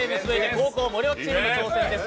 後攻、森脇チームの挑戦です。